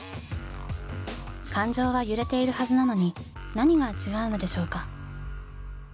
感情は揺れているはずなのに何が違うのでしょうか？